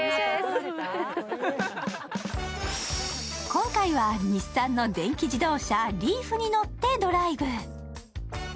今回は日産の電気自動車リーフに乗ってドライブ。